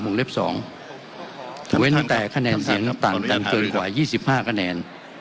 มุมเล็บสองเว้นแต่คะแนนเสียงนับต่างกันเกินกว่ายี่สิบห้าคะแนน